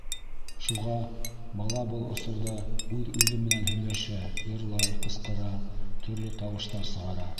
Шуға бала был осорҙа үҙ-үҙе менән һөйләшә, йырлай, ҡысҡыра, төрлө тауыштар сығара.